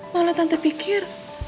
malah tante pikir